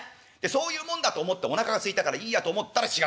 そういうもんだと思っておなかがすいたからいいやと思ったら違う。